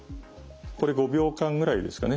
これ５秒間ぐらいですかね